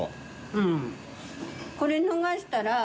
うん。